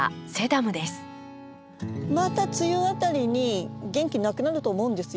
また梅雨辺りに元気なくなると思うんですよ。